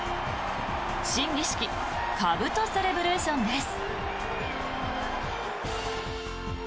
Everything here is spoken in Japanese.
新儀式かぶとセレブレーションです。